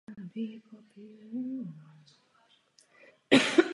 O rok později se oženil.